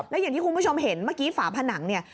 แล้วอย่างที่คุณผู้ชมเห็นเมื่อกี้ฝาผนังเนี่ย